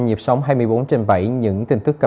nhịp sóng hai mươi bốn trên bảy những tin tức về